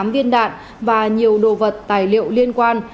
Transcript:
tám viên đạn và nhiều đồ vật tài liệu liên quan